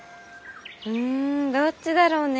うんどっちだろうね？